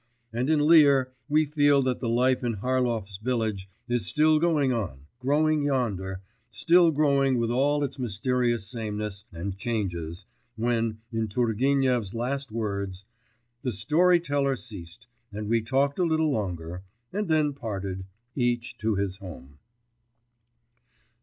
And in Lear we feel that the life in Harlov's village is still going on, growing yonder, still growing with all its mysterious sameness and changes, when, in Turgenev's last words, 'The story teller ceased, and we talked a little longer, and then parted, each to his home.